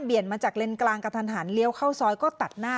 มาจากเลนกลางกระทันหันเลี้ยวเข้าซอยก็ตัดหน้า